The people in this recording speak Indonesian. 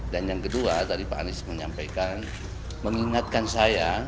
dan yang kedua tadi pak anies menyampaikan mengingatkan saya